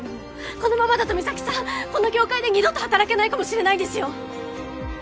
このままだと美咲さんこの業界で二度と働けないかもしれないんですよ！